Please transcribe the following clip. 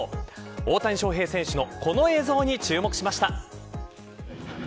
大谷翔平選手のこの映像に注目しました。